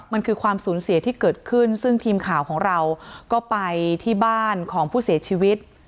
มันคือความสูญเสียที่เกิดขึ้นซึ่งทีมข่าวของเราก็ไปที่บ้านของผู้เสียชีวิต